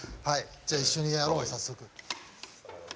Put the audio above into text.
じゃあ一緒にやろう早速。